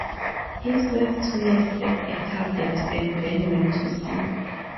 He served two years as a Cadet and then went to sea.